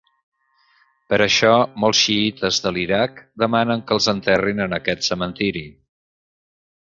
Per això, molts xiïtes de l'Iraq demanen que els enterrin en aquest cementiri.